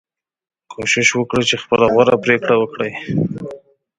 کوشش وکړئ چې خپله غوره پریکړه وکړئ.